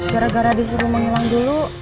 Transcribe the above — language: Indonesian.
gara gara disuruh menghilang dulu